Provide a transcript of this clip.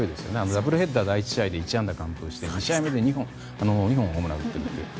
ダブルヘッダー第１試合目で１安打完封して２試合目で２本ホームランを打っているという。